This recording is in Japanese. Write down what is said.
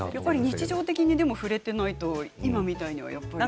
日常的に触れていないと今みたいには。